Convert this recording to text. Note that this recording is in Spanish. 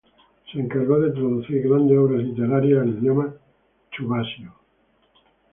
Se encargó de traducir grandes obras literarias al idioma chuvasio.